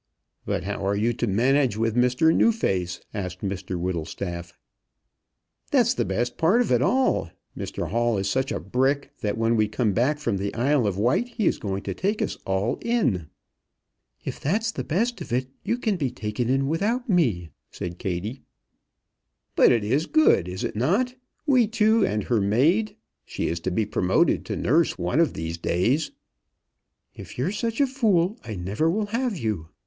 "But how are you to manage with Mr Newface?" asked Mr Whittlestaff. "That's the best part of it all. Mr Hall is such a brick, that when we come back from the Isle of Wight he is going to take us all in." "If that's the best of it, you can be taken in without me," said Kattie. "But it is good; is it not? We two, and her maid. She's to be promoted to nurse one of these days." "If you're such a fool, I never will have you.